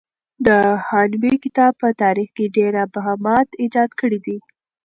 د هانوې کتاب په تاریخ کې ډېر ابهامات ایجاد کړي دي.